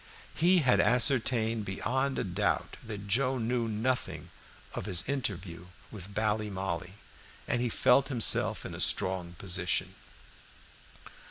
He had ascertained beyond a doubt that Joe knew nothing of his interview with Ballymolloy, and he felt himself in a strong position.